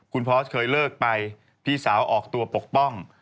คุณพอสเคยเลิกไปพี่สาวออกตัวปกป้อง